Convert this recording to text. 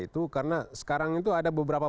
itu karena sekarang itu ada beberapa